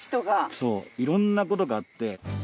そういろんなことがあって。